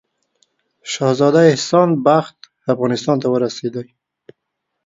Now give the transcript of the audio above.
شهزاده احسان بخت افغانستان ته ورسېدی.